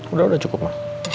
udah udah cukup ma